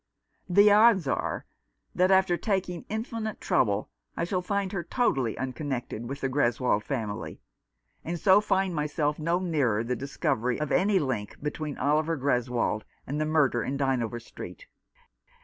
The odds are that, after taking infinite trouble, I shall find her totally unconnected with the Greswold family, and so find myself no nearer the discovery of any link between Oliver Greswold and the murder in Dynevor Street.